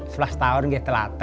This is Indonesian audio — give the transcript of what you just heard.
saya sebelas tahun saya telat